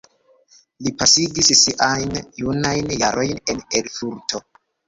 Li pasigis siajn junajn jaron en Erfurto.